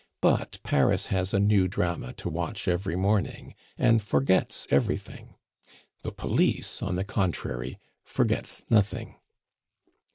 But Paris has a new drama to watch every morning, and forgets everything. The police, on the contrary, forgets nothing.